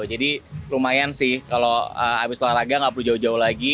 jadi lumayan sih kalau habis olahraga nggak perlu jauh jauh lagi